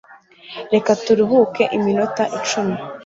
reka turuhuke iminota icumi